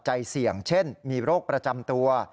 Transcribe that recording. ใจเสี่ยงเช่นมีโรคประจำตัว